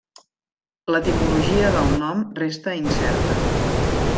L'etimologia del nom resta incerta.